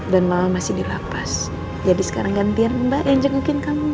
dan mama masih dilapas jadi sekarang gantian mbak yang jago jagoin kamu